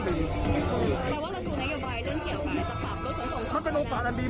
แปลว่าเราตรงนักยอดบายเรื่องเกี่ยวของรถส่งทางบก